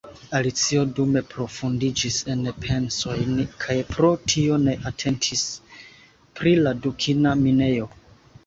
Alicio dume profundiĝis en pensojn, kaj pro tio ne atentis pri la dukina minejo.